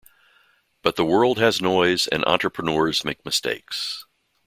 But the world has noise and entrepreneurs make mistakes.